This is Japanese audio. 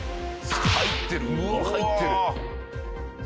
入ってる入ってる。